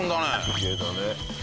きれいだね。